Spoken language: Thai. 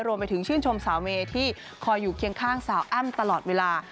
รวมไปถึงชื่นชมสาวเมย์ที่คอยอยู่เคียงข้างสาวอ้ำตลอดเวลา